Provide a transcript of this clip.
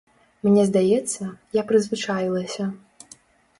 Мне здаецца, я прызвычаілася.